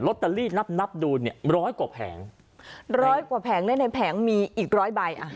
ตเตอรี่นับนับดูเนี่ยร้อยกว่าแผงร้อยกว่าแผงและในแผงมีอีกร้อยใบอ่ะ